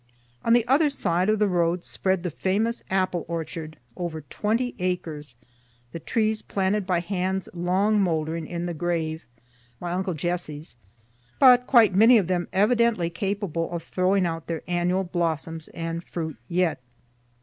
On the other side of the road spread the famous apple orchard, over twenty acres, the trees planted by hands long mouldering in the grave (my uncle Jesse's,) but quite many of them evidently capable of throwing out their annual blossoms and fruit yet.